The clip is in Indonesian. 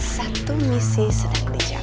satu misi sedang berakhir